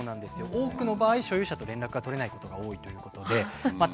多くの場合所有者と連絡が取れないことが多いということでそんなのできるんだ。